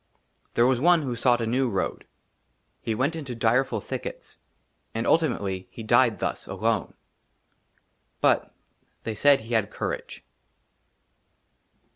THERE WAS ONE WHO SOUGHT A NEW ROAD. HE WENT INTO DIREFUL THICKETS, AND ULTIMATELY HE DIED THUS, ALONE ; BUT THEY SAID HE HAD COURAGE.